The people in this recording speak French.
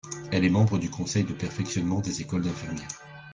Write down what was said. Elle est membre du Conseil de perfectionnement des écoles d’infirmières.